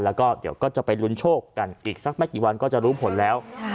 แล้วก็เดี๋ยวก็จะไปลุ้นโชคกันอีกสักไม่กี่วันก็จะรู้ผลแล้ว